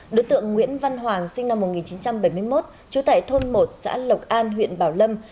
đối tượng nguyễn văn hoàng sinh năm một nghìn chín trăm bảy mươi một trú tại thôn một xã lộc an huyện bảo lâm